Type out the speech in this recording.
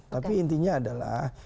tapi intinya adalah